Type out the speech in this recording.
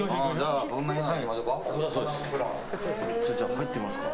入ってみますか。